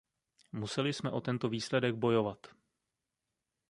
Museli jsme o tento výsledek bojovat!